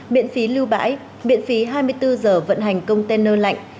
miễn phí lưu bãi miễn phí hai mươi bốn giờ vận hành container lạnh